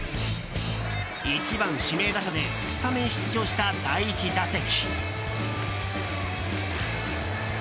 １番、指名打者でスタメン出場した第１打席。